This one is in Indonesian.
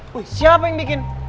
wih siapa yang bikin